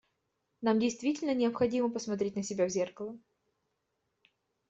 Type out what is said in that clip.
Нам действительно необходимо посмотреть на себя в зеркало.